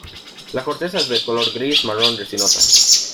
La corteza es de color gris-marrón resinosa.